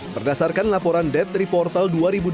berdasarkan laporan dead reportal dua ribu dua puluh